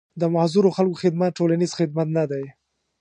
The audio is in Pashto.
د معذورو خلکو خدمت ټولنيز خدمت نه دی.